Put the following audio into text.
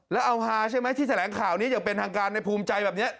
แล้วเอาฮาใช่ไหมที่แถลงข่าวนี้อย่างเป็นทางการในภูมิใจแบบนี้